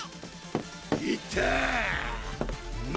いた！